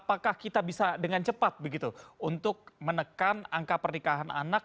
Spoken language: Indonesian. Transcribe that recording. apakah kita bisa dengan cepat begitu untuk menekan angka pernikahan anak